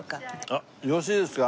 あっよろしいですか？